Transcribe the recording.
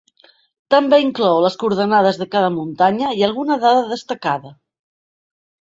També inclou les coordenades de cada muntanya, i alguna dada destacada.